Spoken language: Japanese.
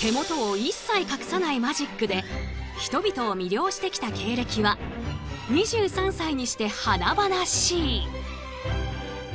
手元を一切隠さないマジックで人々を魅了してきた経歴は２３歳にして華々しい。